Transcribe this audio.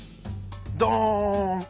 どん！